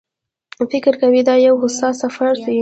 فکر کوي دا یو هوسا سفر دی.